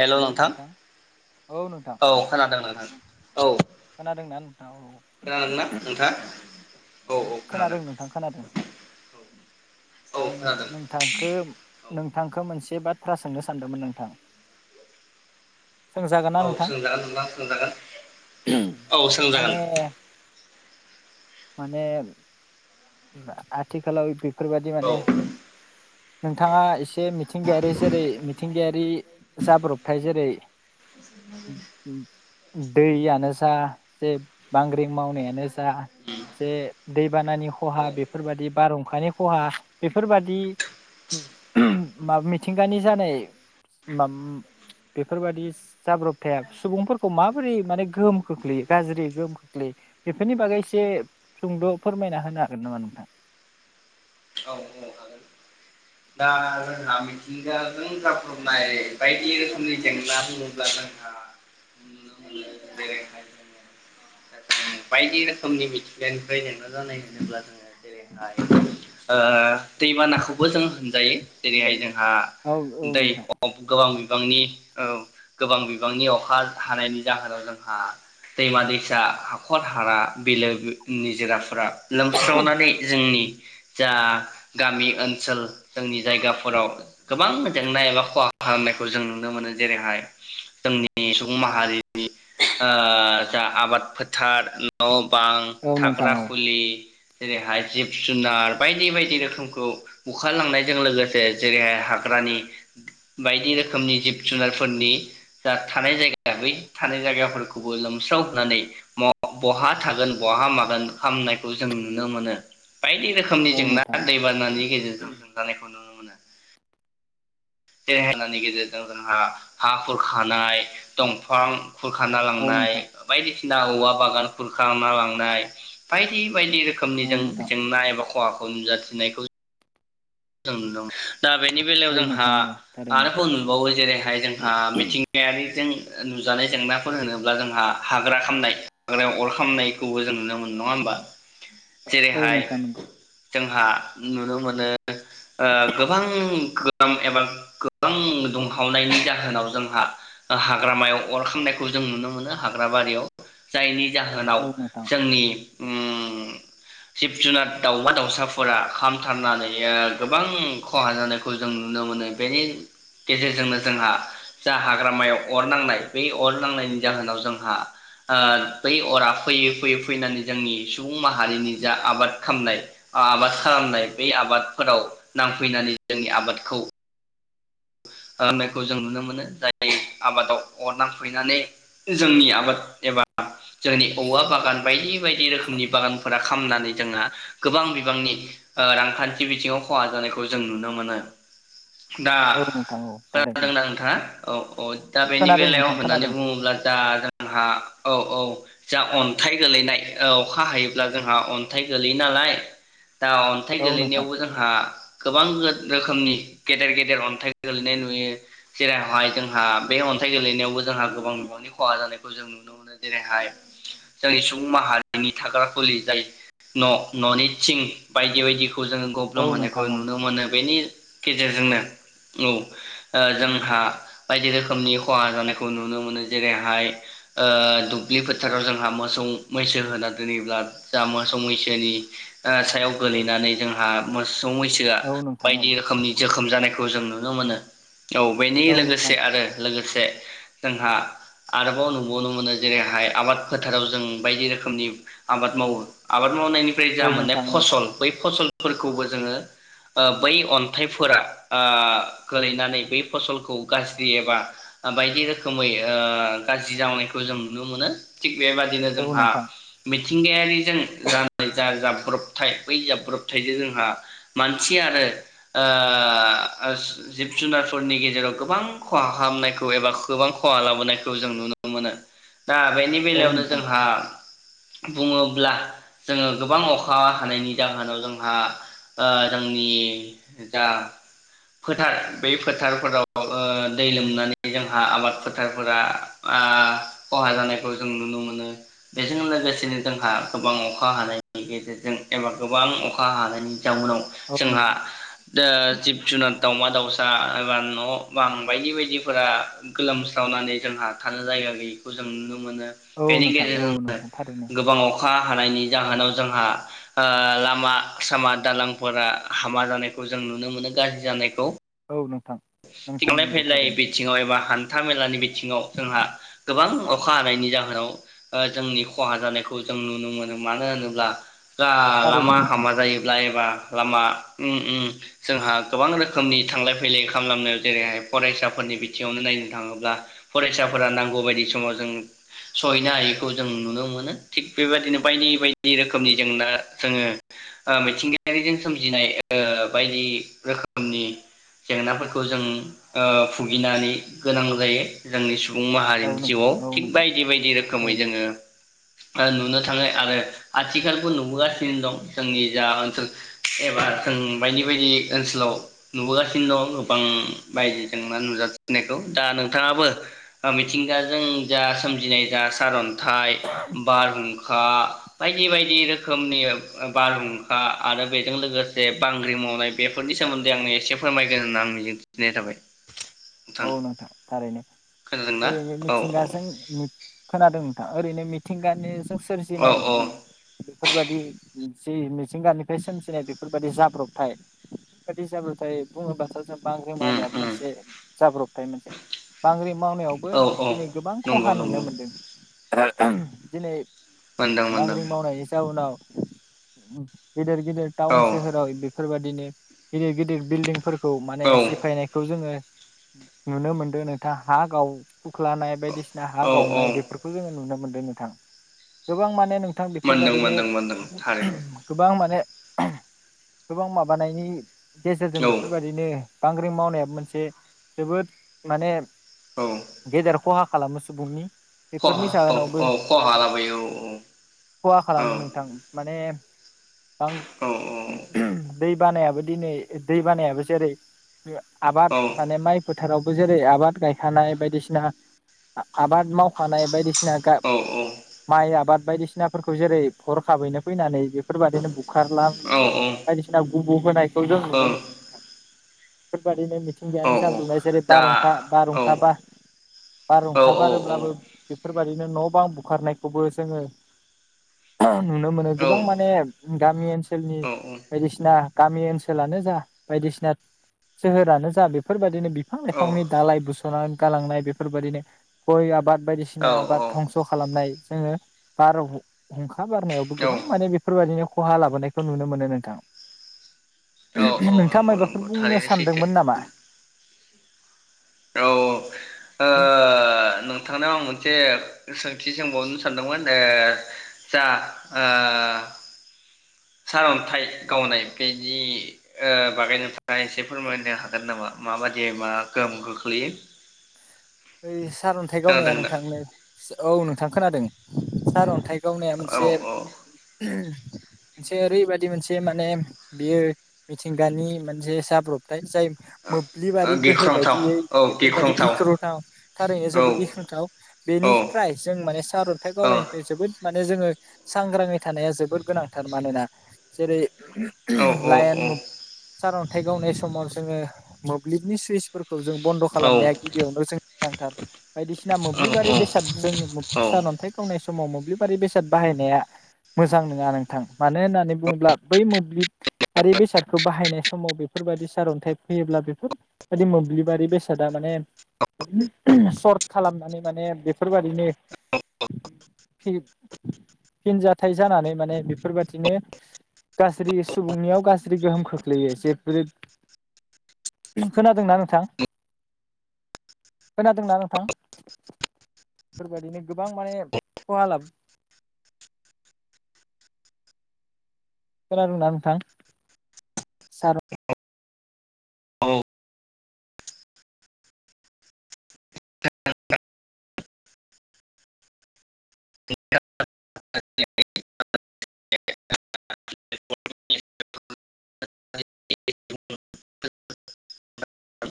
Hello नोंथां औ नोंथां औ खोनादों नोंथां औ नोंथां औ खोनादोंना नोंथांङा खोनादों नोंथां खोनादों औ औ आं खोनादों नोंथांखो औ नोंथांखो मोनसे बाथ्रा सोंनो सानदोंमोन नोंथां। सोंजागोन ना औ नोंथां सोलोंजागोन नोथां सोंजागोन औ माने सोलोंजागोन। माने आथिखालाव बेफोरबायदि औ माने औ नोंथाङा एसे मिथिंगायारि जेरै मिथिंगायारि जाब्रबथाय जेरै दैयानो जा जे बांग्रिं मावनायानो जा जे दैबानानि खहा बेफोरबादि बारहुंखानि खहा बेफोरबादि माबा मिथिंगानि जानाय मा बेफोरबादि जाब्रबथाया सुबुंफोरखौ माबोरै माने गोहोम खोख्लैयो गाज्रि गोहोम खोख्लैयो बेफोरनि बागै एसे सुंद' फोरमायना होना हागोन नामा नोंथां। औ औ हागोन दा जोंहा मिथिंगाजों जाब्रबनाय बायदि रोखोमनि जेंना बुङोब्ला जोंहा नुनो मोनो जेरैहाय जोङो बायदि रोखोमनि मिथिंगानिफ्राय जेंना जानाय होनोब्ला जोङो जेरैहाय दैबानाखौबो जों होनजायो जेरैहाय जों जोंहा औ औ दै नोंथां अ गोबां बिबांनि औ गोबां बिबांनि अखा हानायनि जाहोनाव जोंहा दैमा दैसा हा खर हाला बिलो निजोराफोरा लोमस्रावनानै जोंनि जा गामि ओनसोल जोंनि जायगाफोराव गोबां जेंना एबा खहा खालामनायखौ जों नुनो मोनो जेरैहाय जोंनि सुबुं माहारिनि जा ओ आबाद फो थार न' बां औ नोंथां थाग्रा औ खुलि जेरैहाय जिब जुनार बायदि बायदि रोखोमखौ हुखालांनायजों लोगोसे जेरैहाय हाग्रानि बायदि रोखोमनि जिब जुनारफोरनि जा थानाय जायगा बै थानाय जायगाफोरखौबो लोमस्राव होनानै म बहा थागोन बहा मागोन खालामामनायखौ जों नुनो मोनो। बायदि रोखोमनि औ जेंना नोंथां दैबानानि गेजेरजों जों जानायखौ नुनो मोनो। जेंना जेंसानि गेजेरजों जोंहा हा खुर खानाय दंफां खुरखाना औ लांनाय नोंथां बायदि ना औवा बागान खुरखांना लांनाय बायदि बायदि रोखोमनि औ जों नोंथां जेंना एबा खहाखौ नुजाथिनायखौ जों दा बेनि बेलायाव औ जोंहा नोंथां औ थारैनो आरोबाव नुबावो जेरैहाय जोंहा मिथिंगायारिजों नुजानाय जेंनाफोर होनोब्ला जोंहा हाग्रा खामनाय हाग्रायाव अर खामनायखौबो जों नुनो मोनो नङा होमबा। औ जेरैहाय नोंथां नंगौ जोंहा नुनो मोनो ओ गोबां गोबां एबा गोबां दुंहावनायनि जाहोनाव जोंहा हाग्रामायाव अरखांनायखौ जों नुनो मोनो हाग्रा बारियाव जायनि जाहोनाव औ नोंथां जोंनि उम जिब जुनार दाउमा दाउसाफोरा खामथारनानै गोबां खहा जानायखौ जों नुनो मोनो बेनि गेजेरजोंनो जोंहा जा हाग्रामायाव अर नांनाय बे अर नांनायनि जाहोनाव जोंहा ओ बै अरा फैयै फैयै फैनानै जोंनि सुबुं माहारिनि जा आबाद खालामनाय आबाद खालामनाय बे आबाद फोराव नांफैनानै जोंनि आबादखौ होननायखौ जों नुनो मोनो जाय आबादाव अर नांफुबैनानै जोंनि आबाद एबा जोंनि औवा बागान बायदि बायदि रोखोमनि बागानफोरा खामनानै जोंहा गोबां बिबांनि ओ रांखान्थि बिथिङाव खहा जानायखौ जों नुनो मोनो। दा औ थारैनो खोनादोंना नोंथाङा औ औ दा बेनि खोनादों बेलायाव नोंथां होननानै खोनादों बुङोब्ला जा जोंहा औ औ जा अन्थाइ गोलैनाय अखा हायोब्ला जोंहा अन्थाइ गोलैयो नालाय दा अन्थाइ औ नोंथां गोेलैनायावबो जोंहा गोबां रोखोमनि गेदेर गेदेर अन्थाइ गेलेनाय नुयो जेरावहाय जोंहा बे अन्थाइ गेलेनायावबो जोंहा गोबां बिबांनि खहा जानायखौ जों नुनो मोनो जेरैहाय जोंनि सुबुं माहारिनि थाग्रा खुलि जाय न ननित सिं बायदि बायदि खौ जोङो औ गब्लं नोंथां होनायखौ औ नुनो मोनो बेनि गेजेरजोंनो औ जोंहा बायदि रोखोमनि खहा जानायखौ नुनो मोनो जेरैहाय दुब्लि फोथाराव जोंहा मोसौ मैसो होना दोनोबब्ला जा मोसौ मैसोनि सायाव गोलैनानै जोंहा बैसोआ औ नोंथां औ बायदि रोखोमनि जोखोम जानायखौ जोङो नुनो मोनो औ बेनि औ नोंथां लोगोसे आरो लोगोसे जोंहा आरोबाव नुबावनो मोनो जेरैहाय आबाद फोथाराव जों बायदि रोखोमनि आबाद मावो आबाद मावनायनिफ्राय जा औ मोननाय नोंथां औ फसल बै फसलफोर खौबो जोङो बै अन्थाइफोरा आ गोलैनानै बै फसलखौ गाज्रि एबा बायदि रोखोमै ओ गाज्रि जानायखौ जों नुनो मोनो बेबादिनो औ जोंहा नोंथां मिथिंगायारिजों जानाय जा जाब्रबथाय बै जाब्रबथायजों जोंहा मानसि आरो ओ जिब जुनारफोरनि गेजेराव गोबां खहा खालामनायखौ एबा गोबां खहा लाबोनायखौ जों नुनो मोनो। दा बेनि औ बेलायावनो नोंथां जोंहा बुङोब्ला जोङो गोबां अखा हानायनि जाहोनाव जोंहा ओ जोंनि जा फोथार बे फोथारफोराव ओ दै लोमनानै जोंहा आबाद फोथारफोरा आं खहा जानायखौ जों नुनो मोनो बेजों लोगोसेनो जोंहा गोबां अखा हानायनि गेजेरजों एबा गोबां अखा हानायनि जाउनाव औ जोंहा नोंथां ओ जिब जुनार दावमा दाउसा एबा न' बां बायदि बायदिफोरा गोलोमस्रावनानै जोंहा थानो जायगा गैयिखौ जों नुनो मोनो औ बेनि नोंथां औ गेजेरजोंनो नोंथां थारैनो गोबां अखा हानायनि जाहोनाव जोंहा ओ लामा‌ सामा दालांफोरा हामा जानायखौ जों नुनो मोनो गाज्रि जानायखौ औ नोंथां नोंथां थांलाय नंगौ फैलाय थारैनो बिथिङाव एबा हान्था मेलानि बिथिङाव जोंहा गोबां अखा हानायनि जाहोन नाव ओ जोंनि खहा जानायखौ जों नुनो मोनो मानो होनोब्ला आ थारैनो लामा नोंथां हामा जायोब्ला एबा लामा ओम ओम जोंहा गोबां रोखोमनि थांलाय फैलाय खालामलांनो जेरैहाय फरायसाफोरनि बिथिङावनो नायनो थाङोब्ला फरायसाफोरा नांगौ बायदि समाव जों सहैनो हायैखौ जों नुनो मोनो थिग बेबायदिनो बायदि बायदि रोखोमनि जेंना जोङो औ मिथिंगायारिजों सोमजिनाय ओ बायदि रोखोमनि जेंनाफोरखौ जों ओ भुगिनानै गोनां जायो जोंनि सुबुं औ माहारिनि नोंथां जिउआव औ थिग नोंथां बायदि बायदि रोखोमै थारैनो जोङो ओ नुनो थाङो आरो आथिखालबो नुबोगासिनो दं जोंनि जा ओनसोल एबा जों बायदि बायदि ओनसोलाव नुबोगा सिनो दङ गोबां बायजो जेंना नुजाथिनायखौ। दा नोंथाङाबो मिथिंगाजों जा सोमजिनाय जा सारन थाय, बारहुंखा बायदि बायदि रोखोमनि बारहुंखा आरो बेजों लोगोसे बांग्रि मावनाय बेफोरनि सोमोन्दै आं एसे फोरमायगोन होनना आं मिजिंथिनाय थाबाय। औ नोंथां थारैनो खोनादोंना ओरैनो औ मिथिंगाजों खोनादों नोंथां ओरैनो मिथिंगानि जों औ सोरजिनाय औ बेफोरबायदि जि मिथिंगानिफ्राय सोमजिनाय बेफोरबादि जाब्रबथाय बेफोरबादि जाब्रबथाय बुङोबाथ' जों बाग्रिं उम मावनायाबो उम मोनसे जाब्रबथाय मोनसे। बांग्रि मावनायावबो औ औ दिनै गोबां नंगौ खहा नुनो नंगौ मोनदों। दिनै मोनदों मोनदों बांग्रिं मावनायनि जाउनाव ओम गिदेर गिदेर औ थाउन सोहोराव बेफोरबायदिनो‌ गिदिर गिदिर बिल्डिंफोर खौ माने औ सिफायनायखौ जोङो‌ नुनो मोनदों नोंथां हा गाव ख्लानाय बायदिसि दा हा औ औ गावनाय बेफोरखौ जोङो नुनो मोन‌ नोंथां गोबां माने नों नोंथां मोनदों मोनदों मोनदों थारैनो बेफोरबायादिनो गोबां माने गोबां माबानायनि गेजेरजों औ बेफोरबायदिनो बांग्रि मावनाया मोनसे जोबोद माने औ गेदेर ख'हा खालामो सुबुंनि बेफोरनि खहा औ जाहोनावबो औ खहा लाबोयो ख'हा औ खालामो नोंथां माने औ [unintelligible] दै बानायाबो दिनै दै बानायाबो जेरै बे आबाद औ माइ फोथारावबो जेरै आबाद गायखानाय बायदिसिना आबाद मावखानाय बायदिसि‌ ना गा माइ आबाद बायदिसिनाफोरखौ जेरै हरखाबैनो फैनानै बेफोरबायदिनो बुखारला औ बायदिसिना ग'ब'होनाय जों औ नुनो मोनो नोंथां औ बेफोरबादिनो [unintelligible] औ साब्रुनाय जेरै दा बारहुंखा औ बारहुंखा औ बा-बारहुंखा औ बारोब्लाबो बेफोरबादिनो न' बां बुखारनायखौबो जोङो नुनो मोनो गोबां माने गामि ओनसोलनि बायदिसिना गामि ओनसोलानो जा बायदिसिना सोहोरानो जा बेफोरबायदिनो बिफां लाइफांनि दालाय बुस'नानै गालांनाय बेफोरबायदिनो गय आबाद बायदिसिना औ आबाद धंस' खालामनाय जोङो बारहुंखा बारनायावबो औ गोबां माने बेफोरबायदिनो खहा लाबोनायखौ नुनो मोनो नोंथां। नोंथाङा नंगौ मायबा नंगौ बुंनो थारैनो सैथो सानदोंमोन नामा? औ औ ओ नोंथांनाव आं मोन से सोंथि सोंबावनो सानदोंमोन ओ जा आ सारन्थाइ गावनाय बेनि ओ बागैनो नोंथांआ एसे फोरमायनो हागोन नामा माबादियै मा गोहोम गो ग्लैयो ओइ सारअन्थाइ गावनाया नोंथांनो औ नोंथां खोनादों। सारअन्थाइ गावनाया मोनसे औ मोनसे ओरैबादि मोनसे माने बियो मिथिंगानि मोनसे जाब्रबथाय जाय औ मोब्लिबारि गोहो गिख्रंथाव बायदियै औ बेफोरबायदि गिख्रंथाव गिख्रु थाव थारैनो औ जोबोद गिख्रुंथाव औ औ बेनिफ्राय जों माने सारअन्थाइ औ गावरायनायनिफ्राय जोबोद माने जोङो सांग्राङै थानाया जोबोद गोनांथार मानोना जेरै औ लायेन मो औ सारअन्थाइ गावनाय समाव जोङो मोब्लिबनि सुइसफोर खौ जों बन्द' औ औ खालामनाया गिबियावनो नांथार बायदिसिना मोब्लिबारि बेसाद जों सानअन्थाइ गावनाय सम समाव मोब्लिबारि बेसाद बाहायनाया मोजां नङा नोंथां मानो होननानै बुङोब्ला बै मोब्लिबारि बेसादखौ बाहायनाय समाव बेफोरबायदि सारन्थाइ फैयोब्ला बेफोरबायदि मोब्लिबारि बेसादा माने सर्ट खालामनानै माने बेफोरबायदिनो फि-फिनजाथाइ जानानै माने बेफोरबादिनो गाज्रि सुबुंनियाव गाज्रि गोहोम खोख यो एसे ब्रोद खोनादोंना नोंथां? खोनादोंना नोंथां? बेबायदिनो गोबां माने खहा लाब खोनादोंना नोंथां? सार औ [unintelligible] [unintelligible]